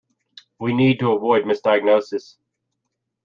We need to avoid misdiagnoses.